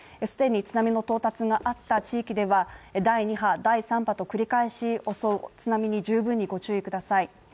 既に津波の到達があった地域では第２波第３波と繰り返し、津波に十分にご注意ください。